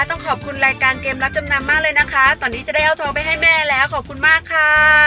ต้องขอบคุณรายการเกมรับจำนำมากเลยนะคะตอนนี้จะได้เอาทองไปให้แม่แล้วขอบคุณมากค่ะ